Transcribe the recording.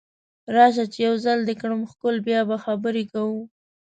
راشه چې یو ځل دې کړم ښکل بیا به خبرې کوو